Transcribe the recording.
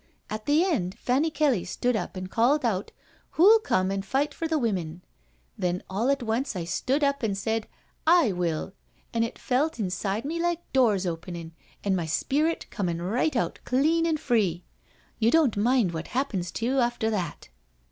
At the end Fanny Kelly stood up and called out, ' Who'll come out and fight for the women?' Then all at once I stood up and said, ' I will ' —an' it felt inside me like doors openin', and my spirit comin' right out clean an' free. You don't mind what happens to you after that.'